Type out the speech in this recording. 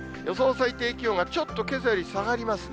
最低気温がちょっとけさより下がりますね。